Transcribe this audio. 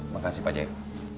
makasih pak jaya